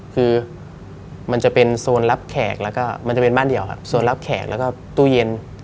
คือมันจะเป็นโซนรับแขกแล้วก็มันจะเป็นบ้านเดี่ยวครับโซนรับแขกแล้วก็ตู้เย็น